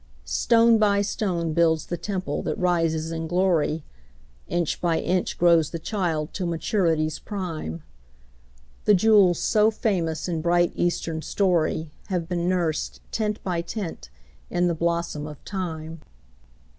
Stone by stone builds the temple that rises in glory, Inch by inch grows the child till maturity's prime; The jewels so famous in bright, Eastern story Have been nursed, tint by tint, in the blossom of Time.